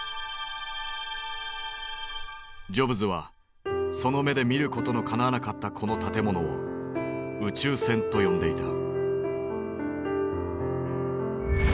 ジョブズはその目で見ることのかなわなかったこの建物を「宇宙船」と呼んでいた。